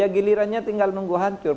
gilirannya tinggal nunggu hancur